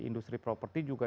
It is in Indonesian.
industri properti juga